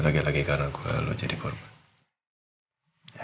lagian lagi karena gue lo jadi korban